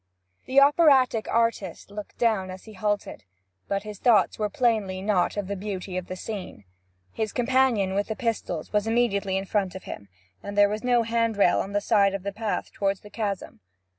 The operatic artist looked down as he halted, but his thoughts were plainly not of the beauty of the scene. His companion with the pistols was immediately in front of him, and there was no handrail on the side of the path toward the chasm.